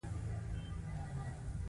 ما څو وارې ورته زنګ وواهه.